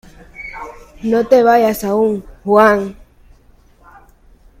No te vayas aún, ¡Juan!